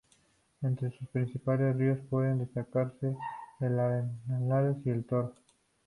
Entre sus principales ríos pueden destacarse el Arenales y el Toro.